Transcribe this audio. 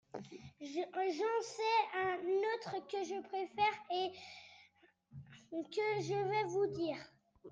J'en sais un autre que je préfère et que je vais vous dire.